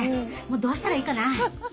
もうどうしたらいいかな？